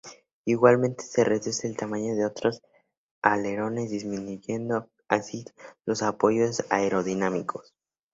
Igualmente se reduce el tamaño de los otros alerones, disminuyendo así los apoyos aerodinámicos.